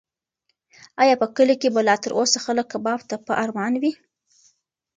ایا په کلي کې به لا تر اوسه خلک کباب ته په ارمان وي؟